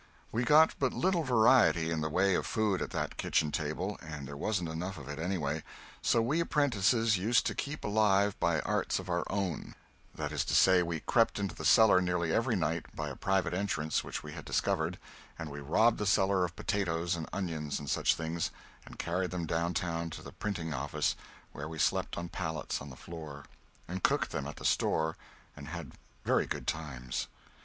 We got but little variety in the way of food at that kitchen table, and there wasn't enough of it anyway. So we apprentices used to keep alive by arts of our own that is to say, we crept into the cellar nearly every night, by a private entrance which we had discovered, and we robbed the cellar of potatoes and onions and such things, and carried them down town to the printing office, where we slept on pallets on the floor, and cooked them at the stove and had very good times.